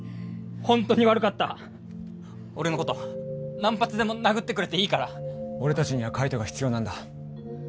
ホントに悪かった俺のこと何発でも殴ってくれていいから俺達には海斗が必要なんだ